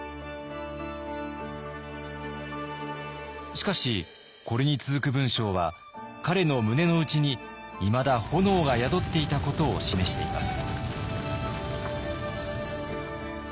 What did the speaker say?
しかしこれに続く文章は彼の胸の内にいまだ炎が宿っていたことを示しています。